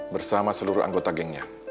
bersama seluruh anggota gengnya